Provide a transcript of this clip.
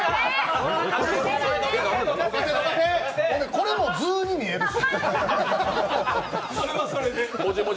これも「ズ」に見えるし。